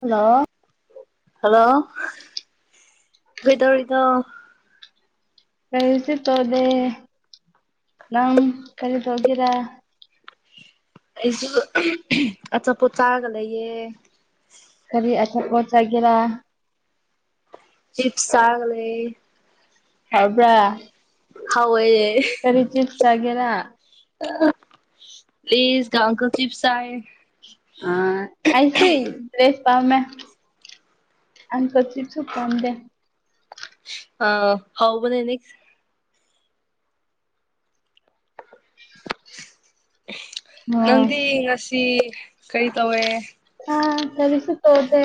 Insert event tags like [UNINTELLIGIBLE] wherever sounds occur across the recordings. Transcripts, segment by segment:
hello hello ꯀꯩ ꯇꯧꯔꯤꯗꯣ ꯀꯁꯦ ꯑꯗꯦ ꯅꯝ ꯀꯔꯤꯗꯒꯦꯔꯥ ꯑꯩꯁꯨ ꯑꯆꯥꯄꯣꯠ ꯆꯥꯔꯒ ꯂꯩꯌꯦ ꯈꯔꯤ ꯑꯆꯣꯁꯒꯦꯔꯥ ꯆꯤꯞꯁ ꯊꯥꯒꯂꯦ ꯈꯕ꯭ꯔꯥ ꯍꯥꯎꯋꯦ ꯀꯔꯤ ꯆꯤꯖ ꯆꯒꯦꯅ ꯄꯁꯒ ꯀ ꯐꯤꯞꯁꯥꯏ ꯑꯥ ꯑꯩꯁꯨꯔꯤ ꯔꯦꯁ ꯄꯥꯎꯃꯦ ꯑ ꯍꯥꯎꯕꯅꯦꯅꯤꯁ [UNINTELLIGIBLE] [UNINTELLIGIBLE] ꯑꯣ ꯅꯪꯗꯤ ꯉꯁꯤ ꯀꯔꯤ ꯇꯧꯋꯦ ꯇꯣꯗ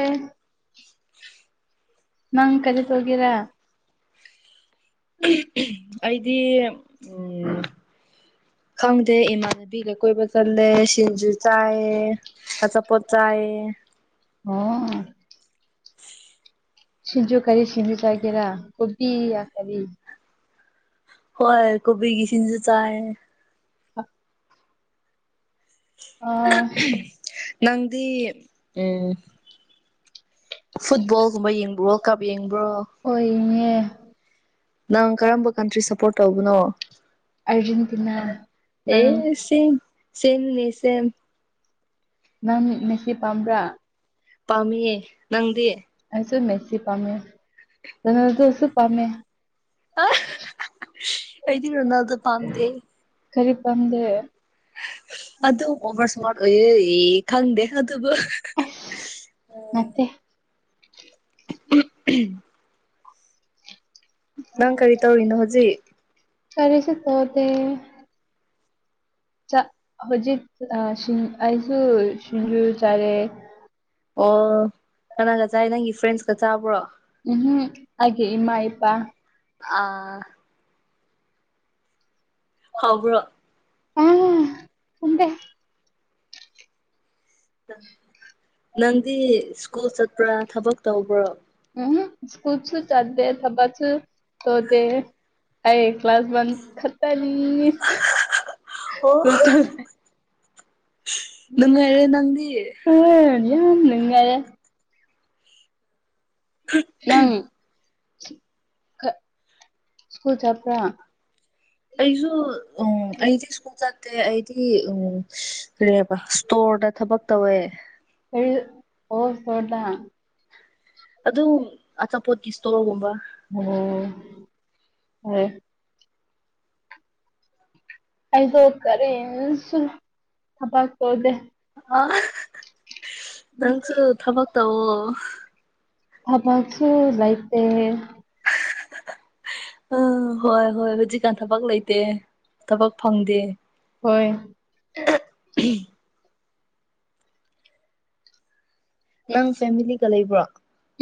ꯅꯪ ꯀꯔꯤ ꯇꯒꯦꯔ ꯑꯩꯗꯤ ꯎꯝ ꯈꯪꯗꯦ ꯏꯃꯥꯗꯕꯤꯒ ꯀꯣꯏꯕ ꯆꯜꯂꯦ ꯁꯤꯖꯨ ꯆꯑ ꯀꯆꯥꯄꯣꯠ ꯆꯑ ꯑꯣ ꯁꯤꯖꯣ ꯀꯔꯤ ꯁꯤꯖꯤꯨ ꯇꯥꯏꯒꯦꯔ ꯀꯣꯕꯤꯤ ꯑ ꯀꯔꯤ ꯍꯣꯏ ꯀꯣꯕꯤꯒꯤꯁꯤꯟꯖ ꯆꯥꯏ ꯑ ꯅꯪꯗꯤ ꯎꯝ ꯐꯨꯠꯕꯣꯜꯒꯨꯝꯕ ꯌꯦꯡꯕ ꯋꯥꯔꯜ ꯀꯞ ꯌꯦꯡꯕ ꯑꯣꯏꯣꯏꯅꯦ ꯅꯪ ꯀꯔꯝꯕ ꯀꯟꯇ꯭ꯔꯤ ꯁꯞꯄꯣꯔꯠ ꯇꯧꯕꯅꯣ ꯑꯔꯖꯦꯟꯇꯤꯅꯥ ꯅꯪ ꯑꯦ ꯁꯤ ꯁꯤꯅꯤ ꯁꯦ ꯅꯪ ꯁꯤ ꯄꯥꯝꯕ꯭ꯔꯥ ꯄꯥꯝꯦ ꯅꯪꯗꯤ ꯃꯦꯁꯤ ꯄꯝꯃꯦ ꯅꯅꯗꯁꯨ ꯄꯝꯃꯦ ꯑ ꯑꯩꯗꯤ ꯔꯅꯗ ꯄꯝꯗ ꯀꯔꯤ ꯄꯥꯝꯗꯦ ꯑꯗꯨꯗ ꯑꯣꯕꯔ ꯁꯃꯥ ꯑꯣꯏꯦ ꯈꯪꯗꯦ ꯑꯗꯨꯕꯨ ꯑ ꯅꯠꯇꯦ [UNINTELLIGIBLE] ꯅꯪ ꯀꯔꯤ ꯇꯧꯔꯤꯅꯣ ꯍꯧꯖꯤꯛ ꯀꯔꯔꯤꯁꯤ ꯇꯣ ꯆ ꯍꯧꯖꯤꯛ ꯑꯩꯁꯨ ꯁꯤꯁꯤꯡꯖ ꯆꯔꯦ ꯑꯣ ꯀꯅꯥꯒ ꯆꯥꯏ ꯅꯪꯒꯤ ꯐ꯭ꯔꯦꯟꯁꯀ ꯆꯥꯕ꯭ꯔꯣ ꯎꯝꯝ ꯍꯥꯏꯦ ꯏꯃ ꯏꯄꯥ ꯑꯥ ꯍꯥꯎꯕ꯭ꯔ ꯑ ꯍꯗ ꯅꯪꯗꯤ ꯁ꯭ꯀꯨꯜ ꯆꯠꯄ꯭ꯔꯥ ꯊꯕꯛ ꯇꯧꯕ꯭ꯔꯣ ꯁ꯭ꯀꯨꯜꯁꯨ ꯆꯠꯗꯦ ꯊꯕꯥꯁꯨꯁꯨ ꯇꯗꯦ ꯑ ꯀ ꯀ꯭ꯂꯥꯁ ꯋꯥꯟ ꯈꯠꯇꯅꯤ ꯑꯣ ꯀ ꯅꯨꯡꯉꯥꯏꯔꯦ ꯅꯪꯗꯤ ꯑ ꯌꯥꯝꯉꯔꯦ ꯅꯪ ꯁꯀꯨꯜ ꯆꯄ꯭ꯔꯥ ꯑꯩꯁꯨ ꯑꯩꯗꯤꯦ ꯁꯀꯨꯜ ꯆ ꯑꯦ ꯑꯩꯗꯤ ꯎꯝ ꯀꯕ ꯏꯁꯇꯣꯔꯗ ꯊꯕꯛ ꯇꯧꯋꯦ ꯀꯔꯤ ꯑꯣ ꯁꯗꯥꯥ ꯑꯗꯨ ꯑꯆꯥꯄꯣꯠꯀꯤ ꯏꯁꯇꯣꯜꯒꯨꯝꯕ ꯎꯝ ꯎ ꯑꯩꯗꯣ ꯀꯔꯦꯟꯁꯨꯨꯝ ꯊꯕ ꯇꯧꯗꯦ ꯑ ꯅꯪꯁꯨ ꯊꯕꯛ ꯇꯋꯣ ꯊꯕꯁꯨ ꯂꯥꯏꯛ [UNINTELLIGIBLE] ꯑ ꯍꯣꯏ ꯍꯣꯏ ꯍꯧꯖꯤꯛꯀꯥꯟ ꯊꯕꯛ ꯂꯩꯇꯦ ꯊꯕꯛ ꯐꯪꯗꯦ ꯍꯣꯏ ꯎ ꯅꯪ ꯐꯦꯃꯤꯂꯤꯒ ꯂꯩꯕ꯭ꯔꯣ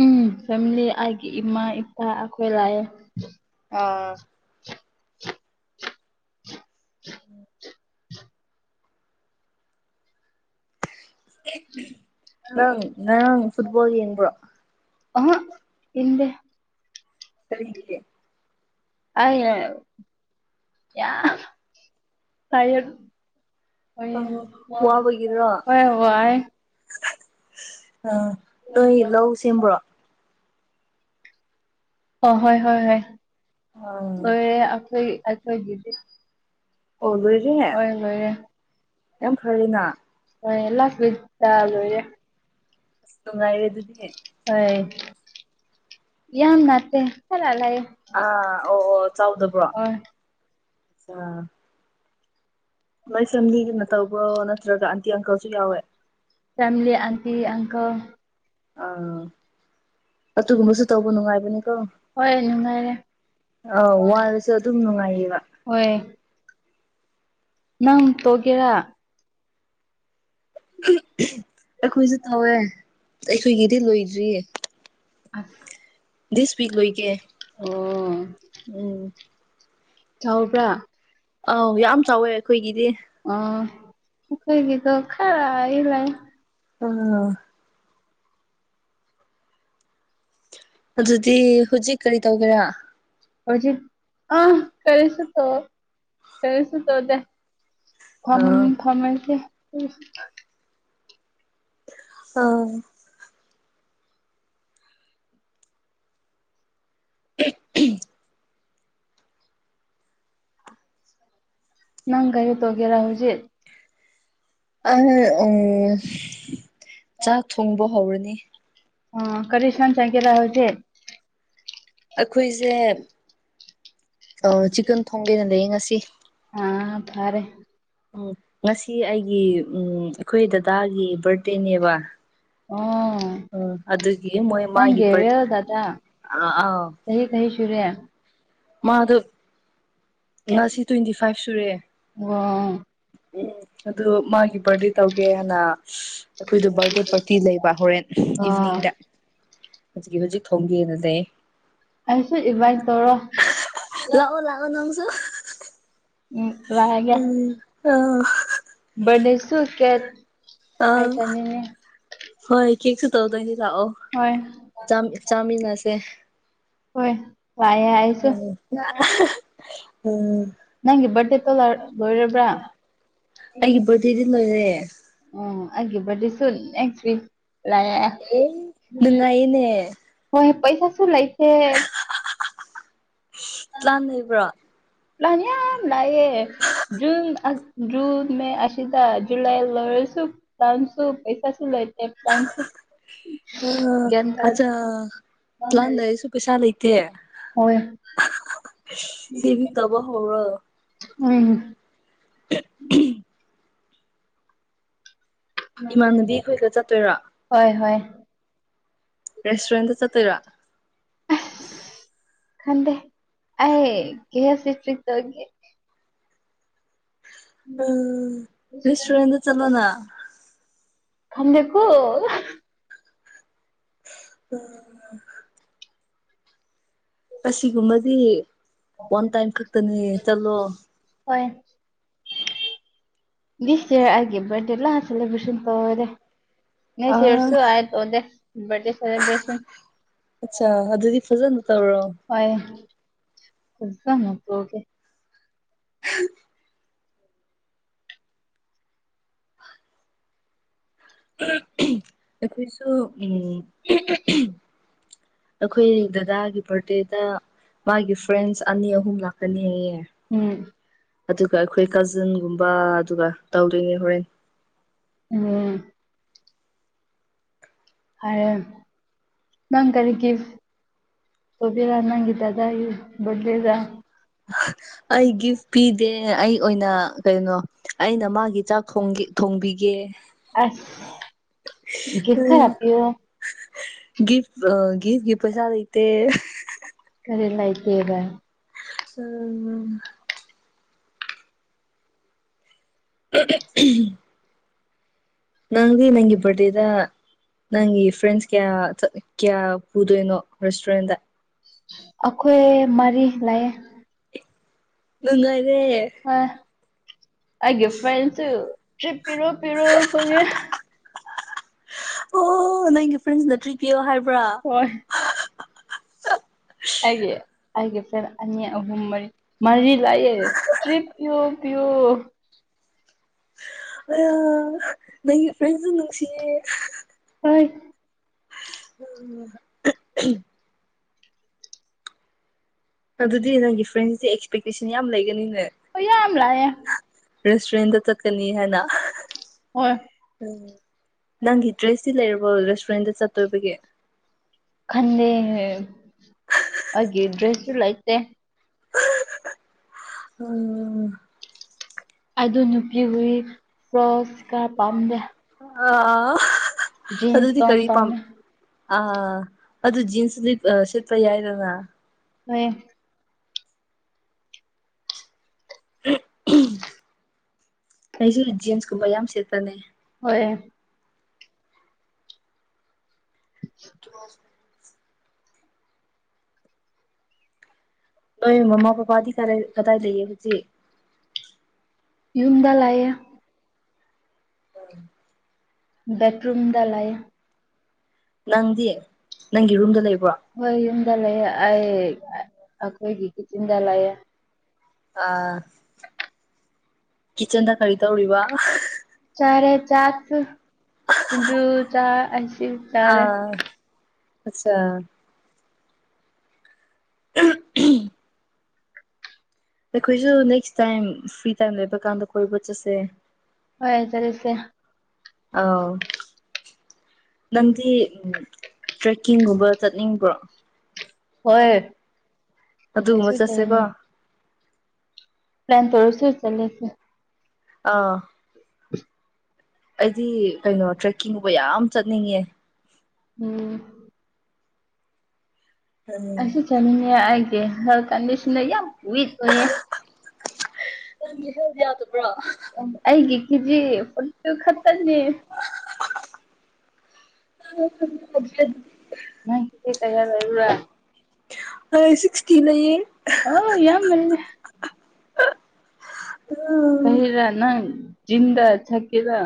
ꯎꯝ ꯐꯦꯃꯤꯂꯤ ꯑꯩꯒꯤ ꯏꯃꯥ ꯏꯄꯥ ꯑꯩꯈꯣꯏ ꯂꯥꯛꯑꯦ ꯑꯥ [INAUDIBLE] ꯅꯪ ꯉꯔꯥꯡ ꯐꯨꯠꯕꯣꯜ ꯌꯦꯡꯕ꯭ꯔꯣ ꯑꯍ ꯀꯤꯟꯗꯦ ꯁꯔꯒꯤꯦ ꯑ ꯌꯥ ꯇ ꯋꯥꯕꯒꯤꯔꯣ ꯍ ꯑ ꯅꯣꯏ ꯂꯧ ꯁꯦꯝꯕ꯭ꯔꯣ ꯑ ꯍꯣꯏ ꯍꯣꯏ ꯍꯣꯏ ꯑꯥ ꯑꯣꯏ ꯑꯩꯈꯣꯏ ꯑꯩꯈꯣꯏꯒꯤꯗꯤ ꯑꯣ ꯂꯣꯏꯔꯦ ꯑꯣꯏꯣꯏ ꯍꯣꯏꯦ ꯌꯥꯝ ꯐꯔꯦꯅ ꯑꯦꯂ ꯐꯤꯠꯇꯦ ꯑꯁ ꯅꯨꯡꯉꯥꯏꯔꯦ ꯑꯗꯨꯗꯤ ꯌꯥꯝ ꯅꯠꯇꯦ ꯈꯔ ꯂꯩ ꯑꯥ ꯑꯣ ꯑꯣ ꯆꯥꯎꯗꯕ꯭ꯔꯣ ꯑ ꯍꯣꯏ ꯃꯥꯏ ꯐꯦꯃꯤꯂꯤꯒꯅ ꯇꯧꯕ꯭ꯔꯣ ꯅꯠꯇ꯭ꯔꯒ ꯑꯟꯇꯤ ꯑꯪꯀꯜꯁꯨ ꯌꯥꯎꯋꯦ ꯐꯦꯃꯤꯂꯤ ꯑꯟꯇꯤ ꯑꯪꯀꯜ ꯑꯥ ꯑꯗꯨꯒꯨꯝꯕꯁꯨ ꯇꯧꯕ ꯅꯨꯡꯉꯥꯏꯕꯅꯤ ꯀ‌ꯣ ꯍꯣꯏ ꯅꯨꯡꯉꯥꯏꯔꯦ ꯑꯥꯎ ꯋꯥꯔꯁꯨ ꯑꯗꯨꯝ ꯅꯨꯡꯉꯥꯏꯌꯦꯕ ꯍꯣꯏ ꯅꯪ ꯇ‌ꯣꯒꯦꯔꯥ ꯑꯩꯈꯣꯏꯁꯨ ꯇꯧꯋꯦ ꯑꯩꯈꯣꯏꯒꯤꯗꯤ ꯂꯣꯏꯗ꯭ꯔꯤꯌꯦ ꯑꯁ ꯗꯤꯁ ꯋꯤꯛ ꯂꯣꯏꯒꯦ ꯑꯣ ꯎꯝ ꯁꯥꯎꯕ꯭ꯔ ꯑꯥꯎ ꯌꯥꯝ ꯆꯥꯎꯋꯦ ꯑꯩꯈꯣꯏꯒꯤꯗꯤ ꯅꯈ‌ꯣꯏꯒꯤꯗꯣ ꯈꯔ ꯏꯂ‌ꯎ ꯍ-ꯍ-ꯍ ꯑꯗꯨꯗꯤ ꯍꯧꯖꯤꯛ ꯀꯔꯤ ꯇꯧꯒꯦꯔꯥ ꯍꯧꯖꯤꯛ ꯑꯥ ꯀꯔꯤꯁꯨ ꯇ ꯀꯔꯤꯁꯨ ꯇꯧꯗ‌ꯦ ꯐꯃꯨꯡ ꯑꯥ ꯐꯝꯃꯁꯦ ꯑ [UNINTELLIGIBLE] ꯅꯪꯒꯥꯔꯤ ꯇ ꯋꯥꯒꯦꯔ ꯍꯧꯖꯤꯦ ꯑ ꯎꯝ ꯆꯥꯛ ꯊꯣꯡꯕ ꯍꯧꯔꯅꯤ ꯑ ꯀꯔꯤ ꯁꯥꯟ ꯆ ꯀꯦꯔ ꯍꯧꯁꯦ ꯑꯩꯈꯣꯏꯁꯦ ꯆꯤꯀꯟ ꯊꯣꯡꯒꯦꯅ ꯂꯩꯌꯦ ꯉꯁꯤ ꯑꯥ ꯐꯔꯦ ꯎꯝ ꯉꯁꯤ ꯑꯩꯒꯤ ꯎꯝ ꯑꯩꯈꯣꯏ ꯗꯗꯥꯒꯤ ꯕꯥꯔꯗꯦꯅꯦꯕ ꯑꯣ ꯎꯝ ꯑꯗꯨꯒꯤ ꯃꯣꯏ ꯃꯥꯒꯤ ꯕꯥꯔꯠ ꯅꯪꯒꯦꯔ‌ꯣꯗꯥꯗ ꯑꯥ ꯑꯥ ꯀꯩ ꯀꯩ ꯐꯨꯔꯦ ꯃꯥꯗꯣ ꯉꯥꯁꯤ ꯇ꯭ꯋꯦꯟꯇꯤ ꯐꯥꯏꯚ ꯁꯨꯔ‌ꯦ ꯑꯣ ꯎꯝ ꯑꯗꯨ ꯃꯥꯒꯤ ꯕꯥꯔꯗꯦ ꯇꯧꯒꯦ ꯍꯅ ꯑꯩꯈꯣꯏꯗꯣ ꯕꯥꯔꯗꯦ ꯄꯥꯔꯇꯤ ꯂꯩꯕ ꯍꯣꯔꯦꯟ ꯑꯣ ꯏꯚꯤꯅꯤꯡꯗ ꯍꯧꯖꯤꯛꯀꯤ ꯍꯧꯖꯤꯛ ꯊꯣꯡꯒꯦꯅꯗ‌ꯦ ꯑꯩꯁꯨ ꯏꯟꯕꯥꯥꯏꯠ ꯇꯧꯔꯣ ꯂꯑꯣ ꯂꯥꯛꯑꯣ ꯅꯪꯁꯨ ꯎꯝ ꯂꯥꯛꯑꯒ‌ꯦ ꯎꯝ ꯑꯥ ꯕꯔꯠꯗ‌ꯦ ꯁꯨ ꯀꯦꯠ ꯍꯥꯏ ꯑꯥ ꯇꯅꯤꯅꯦ ꯍꯣꯏ ꯀꯦꯛꯁꯨ ꯇꯧꯗꯣꯏꯅꯤ ꯂꯥꯛꯑꯣ ꯍꯣꯏ ꯆꯥ ꯆꯥꯃꯤꯟꯅꯁꯦ ꯍꯣꯏ ꯂꯥꯛꯑꯦ ꯑꯩꯁꯨ ꯎꯝ ꯅꯪꯒꯤ ꯕꯥꯔꯗꯦꯇ ꯂꯣꯏꯔꯕ꯭ꯔꯥ ꯂ‌ꯣꯏꯔ‌ꯦ ꯑ‌ꯣ ꯑꯩꯒꯤ ꯕꯔꯗ‌ꯦ ꯁꯨ ꯅꯦꯛꯁ ꯋꯤꯛ ꯂꯥꯑꯦ ꯑꯦ ꯅꯨꯡꯉꯥꯏꯌꯦꯅꯦ ꯍꯣꯏ ꯄꯩꯁꯥ ꯁꯨ ꯂꯩꯇ‌ꯦ ꯂꯥꯟ ꯂꯩꯕ꯭ꯔꯣ ꯂꯥꯟ ꯌꯥꯝ ꯂꯛꯑꯦ ꯖꯨꯟ ꯨꯖꯨꯟ ꯃꯦ ꯑꯁꯤꯗ ꯖꯨꯂꯥꯏ ꯂ‌ꯣꯏꯔꯁꯨ ꯄ꯭ꯂꯥꯟꯁꯨ ꯄꯩꯁꯥꯁꯨ ꯂꯩꯇ‌ꯦ ꯄ꯭ꯂꯥꯟꯁꯨ ꯑ ꯒ꯭ꯌꯥꯟ ꯇꯥꯗꯦ ꯑꯆꯥ ꯄ꯭ꯂꯥꯟ ꯂꯩꯔꯁꯨ ꯄꯩꯁꯥ ꯂꯆꯩꯇꯦ ꯍꯣꯏ ꯁꯤꯕꯤꯡ ꯇꯧꯕ ꯍꯧꯔꯣ ꯎꯝ ꯏꯃꯥꯟꯅꯗꯤ ꯑꯩꯈꯣꯏꯒ ꯆꯠꯇꯣꯏꯔꯥ ꯍꯣꯏ ꯍꯣꯏ ꯔꯦꯁꯇꯨꯔꯦꯟꯇ ꯆꯠꯇꯣꯏꯔ ꯑ ꯈꯗꯦ ꯑ ꯀꯦ ꯁꯤ ꯄꯔꯤ ꯇꯦ ꯎꯝ ꯔꯦꯁꯇꯨꯔꯦꯟ ꯆꯂꯣꯅ ꯈꯪꯗꯦꯀꯣ ꯑꯣ ꯎꯝ ꯑꯁꯤꯒꯨꯝꯕꯗꯤ ꯋꯥꯟ ꯇꯥꯏꯝ ꯈꯛꯇꯅꯤ ꯆꯠꯂꯣ ꯍꯣꯏ ꯗꯤꯁ ꯏꯔ ꯑꯩꯦ ꯔꯗꯦꯂ ꯁꯦꯂꯦꯕ꯭ꯔꯦꯁꯟ ꯇꯧꯋꯔꯦ ꯅ ꯁꯤꯁꯨ ꯑꯥ ꯇ ꯑꯣꯗꯦ ꯕꯦ ꯁꯦꯂꯕ꯭ꯔꯦꯁꯟ ꯑꯆꯥ ꯑꯗꯨꯗꯤ ꯐꯖꯅ ꯇꯧꯔꯣ ꯈꯨꯖ ꯅꯛꯇꯒꯦ ꯑꯩꯣꯏꯁꯨꯁꯨ ꯎꯝ ꯑꯩꯈꯣꯏ ꯗꯗꯥꯒꯤ ꯕꯥꯔꯗꯦꯗ ꯃꯥꯒꯤ ꯐ꯭ꯔꯦꯟꯁ ꯑꯅꯤ ꯑꯍꯨꯝ ꯂꯥꯛꯀꯅꯤ ꯑꯩꯌꯦꯦ ꯎꯝ ꯑꯗꯨꯒ ꯑꯩꯈꯣꯏ ꯀꯥꯖꯤꯟꯒꯨꯝꯕ ꯑꯗꯨꯒ ꯇꯧꯗꯣꯏꯅꯦ ꯍꯣꯔꯦꯟ ꯑꯝ ꯑꯔ ꯅꯪ ꯀꯔꯤꯒꯤ ꯁꯣꯕꯤꯔ ꯅꯪꯒꯤ ꯗꯗꯥꯏ ꯕꯔꯠꯗ‌ꯦꯗ ꯑꯩ ꯒꯤꯐ ꯏꯗꯦ ꯑꯩ ꯑꯣꯏꯅ ꯀꯩꯅꯣ ꯑꯩꯅ ꯃꯥꯒꯤ ꯆꯥꯛ ꯊꯣꯡꯕꯤꯒꯦ ꯑꯁ ꯒꯤ ꯈꯔ ꯍꯥꯌꯣ ꯒꯤꯐꯒꯤ ꯄꯩꯁꯥꯗꯇ ꯐꯔꯤ ꯂꯥꯏ ꯀꯦꯕ ꯎꯝ [INAUDIBLE] ꯅꯪꯗꯤ ꯅꯪꯒꯤ ꯔꯗꯦꯗ ꯅꯪꯒꯤ ꯐ꯭ꯔꯦꯟꯁ ꯀꯌꯥ ꯀꯌꯥ ꯄꯨꯗꯅꯣ ꯔꯦꯁꯇꯣꯣꯔꯦꯟꯗ ꯑꯈꯣꯏ ꯃꯥꯔꯤ ꯂꯥꯏꯌꯦ ꯪꯥꯏꯗꯦ ꯑꯦ ꯐ꯭ꯔꯁꯔꯤꯞ ꯄꯤꯔꯣ ꯄꯤꯔꯣ ꯐ ꯑꯣ ꯅꯪꯒꯤꯗꯤꯐ꯭ꯔꯦꯟꯁ ꯅꯠꯇ꯭ꯔꯤ ꯄꯌꯣ ꯍꯥꯏꯔ ꯍꯣꯏ ꯍꯥꯏꯦ ꯍꯥꯏꯦ ꯑꯅꯤ ꯑꯍꯨꯝ ꯃꯔꯤ ꯃꯔꯤ ꯂꯩꯑꯌꯦ ꯇꯔꯤ ꯄꯌ ꯄꯤꯣ ꯑ ꯅ ꯐꯖ ꯅꯅꯨꯡꯁꯤ ꯍꯣꯏ ꯑ ꯑꯗꯨꯗꯤ ꯅꯪꯒꯤ ꯐ꯭ꯔꯦꯟꯁꯦ ꯑꯦꯛꯁꯄꯦꯛꯇꯦꯁꯟ ꯌꯥꯝ ꯂꯩꯒꯅꯤꯅ ꯑꯩ ꯌꯥꯝꯝꯂꯌꯦ ꯔꯦꯁꯇꯨꯔꯦꯟꯗ ꯆꯠꯀꯅꯤ ꯍꯥꯏꯅ ꯍꯣꯏ ꯅꯪꯒꯤ ꯗ꯭ꯔꯦꯁ ꯁꯤ ꯂꯩꯔꯕꯣ ꯔꯦꯁꯇꯨꯔꯦꯟꯗ ꯆꯠꯇꯣꯏꯕꯒꯤ ꯈꯟꯦ ꯑꯦ ꯗ꯭ꯔꯦꯁꯁꯨ ꯂꯥꯏꯇꯦ ꯎꯝ ꯑꯗꯨ ꯅꯨꯄꯤ ꯍꯨꯏ ꯐ꯭ꯔꯣ ꯏꯁꯀꯥꯔ ꯄꯥꯝꯗꯦ ꯑ ꯖꯤꯟꯁ ꯑꯗꯨꯗꯤ ꯇꯣꯝ ꯀꯔꯤ ꯄꯥꯝꯃꯦ ꯑ ꯑꯗꯨ ꯖꯤꯟꯁ ꯂꯤꯞ ꯁꯤꯜꯄ ꯌꯥꯏꯗꯅ ꯍꯣꯏ ꯑꯦ ꯑꯩꯁꯨ ꯖꯟꯁꯀꯨꯝꯕ ꯌꯥꯝ ꯁꯦꯠꯇꯅꯦ ꯍ [INAUDIBLE] ꯑꯩꯣꯏ ꯃꯃꯥ ꯄꯥꯄꯥꯗꯤ ꯀ ꯀꯗꯥꯏ ꯂꯩꯌꯦ ꯍꯧꯖꯤꯦ ꯌꯨꯝꯟꯗꯥ ꯂ ꯎꯝ ꯕꯠꯔꯨꯝꯗꯂꯥꯏ ꯅꯪꯗꯤ ꯅꯪꯒꯤ ꯔꯨꯝꯗ ꯂꯩꯕ ꯍꯣꯏ ꯌꯨꯝꯗ ꯂꯩꯥꯛꯑꯦ ꯑꯩ ꯑꯩꯈꯣꯏꯒꯤ ꯌꯨꯝꯗ ꯂꯥꯛꯌꯦꯦ ꯑ ꯀꯤꯠꯆꯟꯗ ꯀꯔꯤ ꯇꯧꯔꯤꯕ ꯆꯔꯦ ꯆꯥꯛꯥꯛ ꯁꯤꯖꯨ ꯆꯥ ꯑꯁꯤ ꯆꯔꯦ ꯑꯆꯥ ꯎꯝ ꯑꯩꯈꯣꯏꯁꯨ ꯅꯦꯛꯁ ꯇꯥꯏꯝ ꯐ꯭ꯔꯤ ꯇꯥꯏꯝ ꯂꯩꯕ ꯀꯥꯟꯗ ꯑꯩꯈꯣꯏ ꯕꯣꯠ ꯆꯠꯁꯦ ꯍꯣꯏ ꯆꯔꯁꯦ ꯑ ꯅꯪꯗꯤ ꯇ꯭ꯔꯦꯛꯀꯤꯡꯒꯨꯝꯕ ꯆꯠꯅꯤꯡꯕ꯭ꯔꯣ ꯍꯣꯏ ꯑꯩꯁꯨ ꯑꯗꯨꯒꯨꯝꯕ ꯆꯠꯅꯤ ꯆꯠꯁꯦꯀꯣ ꯄ꯭ꯂꯥꯟ ꯇꯔꯁꯨꯣꯏ ꯆꯂꯁ ꯑꯥ [UNINTELLIGIBLE] ꯑꯩꯗꯤ ꯀꯩꯅꯣ ꯇ꯭ꯔꯦꯛꯀꯤꯡꯒꯕ ꯌꯥꯝ ꯆꯠꯅꯤꯡꯉꯦ ꯑꯣꯝ ꯑꯁ ꯆꯅꯤꯅꯦꯒꯦ ꯀꯟꯗꯤꯁꯟ ꯑꯣꯏ ꯅꯪꯒꯤ ꯍꯧꯗꯤ ꯌꯥꯗꯕ꯭ꯔꯣ ꯀꯖꯤ ꯐ ꯈꯠꯇꯔꯅꯤ ꯑ ꯉ ꯇꯩꯔ ꯍꯥꯏꯥꯏꯔ ꯁꯤꯛꯁꯇꯤꯅ ꯀꯔ ꯅꯪ ꯗ ꯊꯀꯤꯦꯔ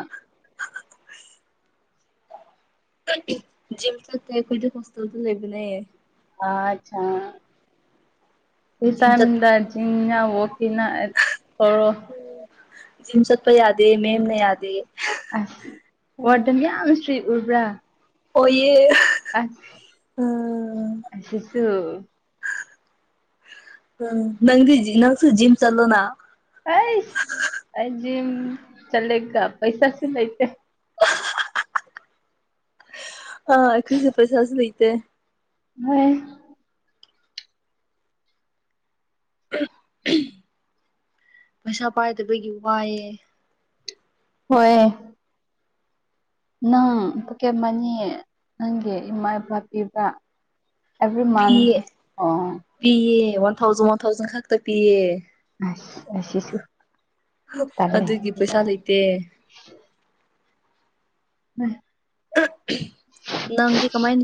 ꯖꯤꯝ ꯊ ꯇꯈꯨꯣꯏꯗ ꯍꯣꯁꯇꯦꯜ ꯇ ꯂꯩꯕ ꯅꯏꯌꯦ ꯑꯆꯥ ꯖꯤꯝ ꯆꯠꯄ ꯁꯤꯤꯁꯥꯝꯗꯅ ꯋꯥꯀꯤꯅ ꯊꯣꯛꯔꯣ ꯁꯤꯖꯤꯝ ꯆꯠꯄ ꯌꯥꯗꯦ ꯃꯦꯦꯝꯅ ꯌꯥꯗꯦ ꯑꯁ ꯋꯥꯔꯗꯟ ꯌꯥꯝ ꯌꯥꯝ ꯁ꯭ꯔꯤ ꯎꯔꯕ꯭ꯔꯥ ꯑꯣꯌꯦ ꯑ ꯑꯁꯨ ꯎꯝ ꯅꯪꯗꯤ ꯅꯪꯁꯨ ꯖꯤꯝ ꯆꯂꯣꯅ ꯀꯩ ꯑꯩꯖꯤ ꯆꯂꯦ ꯀ ꯄꯩꯁꯥꯁꯨ ꯂꯩꯇꯦ ꯑꯥꯈꯔꯤ ꯁꯐ ꯆꯁ ꯂꯩꯇꯦ ꯍꯚ ꯎꯝ ꯄꯩꯁꯥ ꯄꯥꯏꯗꯕꯒꯤ ꯋꯥꯏꯑꯦ ꯍꯣꯏ ꯅꯪ ꯄꯀꯦꯠ ꯃꯅꯤ ꯅꯪꯒꯤ ꯏꯃꯥ ꯏꯄꯥ ꯄꯤꯕ꯭ꯔ ꯑꯦꯕ꯭ꯔꯤ ꯃꯥꯟꯊ ꯄꯤꯌꯦ ꯑꯣ ꯄꯤꯌꯦ ꯋꯥꯟ ꯊꯥꯎꯖꯟ ꯋꯥꯟ ꯊꯥꯎꯖꯟ ꯈꯛꯇ ꯄꯤꯌꯦ ꯁꯤ ꯇꯅ ꯑꯗꯨꯒꯤ ꯄꯩꯁꯥ ꯂꯩꯇꯦ ꯎꯝ ꯅꯪꯪꯗꯤ ꯀꯃꯥꯏꯅꯤ